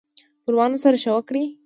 خپلوانو سره ښه وکړئ